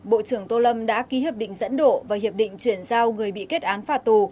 bộ trưởng tô lâm đã ký hiệp định dẫn độ và hiệp định chuyển giao người bị kết án phạt tù